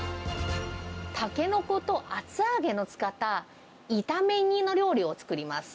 タケノコと厚揚げの使った、いため煮の料理を作ります。